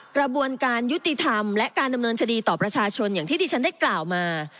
กระบวนการยุติธรรมและการดำเนินคดีต่อประชาชนอย่างที่ที่ฉันได้กล่าวมา